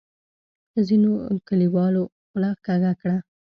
ځینو کلیوالو خوله کږه کړه.